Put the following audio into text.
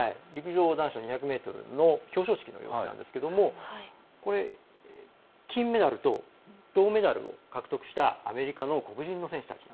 陸上男子２００ｍの表彰式の様子なんですが金メダルと銅メダルを獲得したアメリカの黒人の選手たち。